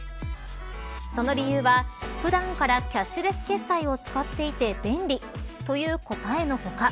その理由は普段からキャッシュレス決済を使っていて便利という答えの他